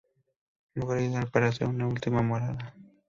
Lugar ideal para ser su última morada.